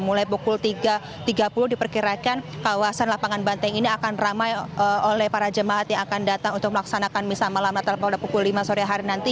mulai pukul tiga tiga puluh diperkirakan kawasan lapangan banteng ini akan ramai oleh para jemaat yang akan datang untuk melaksanakan misa malam natal pada pukul lima sore hari nanti